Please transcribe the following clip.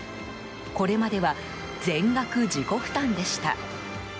これまでは全額自己負担でした。